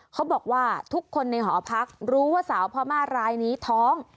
เขาบอกว่าทุกคนในหอพักรู้ว่าสาวพม่ารายนี้ท้อง